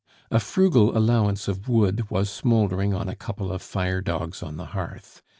A frugal allowance of wood was smouldering on a couple of fire dogs on the hearth.